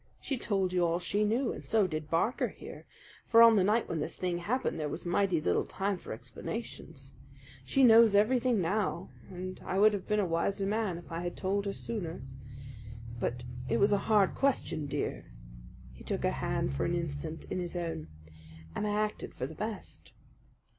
She told you all she knew, and so did Barker here; for on the night when this thing happened there was mighty little time for explanations. She knows everything now, and I would have been a wiser man if I had told her sooner. But it was a hard question, dear," he took her hand for an instant in his own, "and I acted for the best.